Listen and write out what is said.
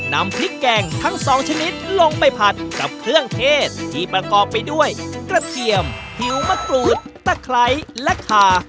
นำพริกแกงทั้งสองชนิดลงไปผัดกับเครื่องเทศที่ประกอบไปด้วยกระเทียมหิวมะกรูดตะไคร้และคา